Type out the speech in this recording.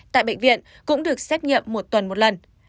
tại bệnh viện cũng được xét nghiệm một tuần một lần